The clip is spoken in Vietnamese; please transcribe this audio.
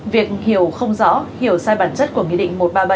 việc hiểu không rõ hiểu sai bản chất của nghị định một trăm ba mươi bảy